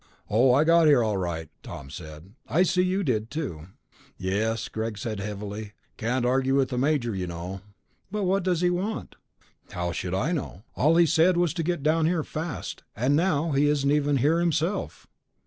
"Oh, I got here, all right," Tom said. "I see you did too." "Yes," Greg said heavily. "Can't argue with the major, you know." "But what does he want?" "How should I know? All he said was to get down here fast. And now he isn't even here himself."